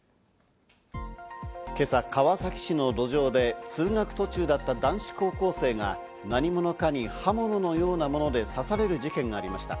今朝、川崎市の路上で通学途中だった男子高校生が何者かに刃物のようなもので刺される事件がありました。